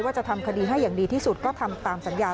จะทำคดีให้อย่างดีที่สุดก็ทำตามสัญญา